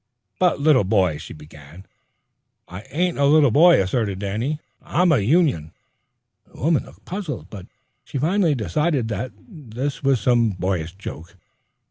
"But, little boy " she began. "I ain't a little boy," asserted Danny. "I'm a union." The woman looked puzzled, but she finally decided that this was some boyish joke.